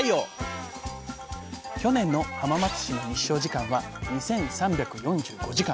去年の浜松市の日照時間は２，３４５時間！